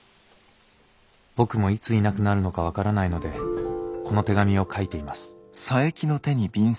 僕もいついなくなるのか分からないのでこの手紙を書いています。